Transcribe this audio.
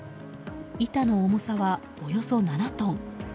板の重さは、およそ７トン。